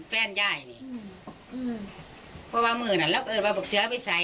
แฟนย่ายเพราะว่าเมื่อนั้นแล้วก็เอ่อนมาบักเสื้อไปใส่